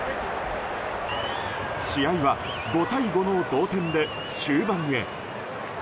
試合は５対５の同点で終盤へ。